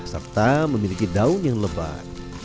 serta memiliki daun yang lebat